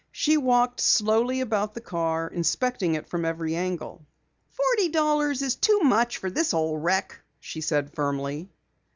She walked slowly about the car, inspecting it from every angle. "Forty dollars is too much for this old wreck," she said firmly.